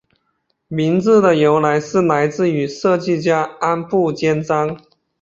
名字的由来是来自于设计家安部兼章。